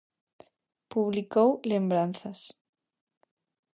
Publicou "Lembranzas".